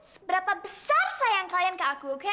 seberapa besar sayang kalian ke aku